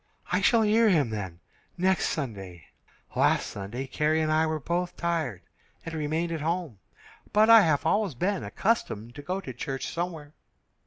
"I shall hear him, then, next Sunday. Last Sunday Carrie and I were both tired, and remained at home, but I have always been accustomed to go to church somewhere."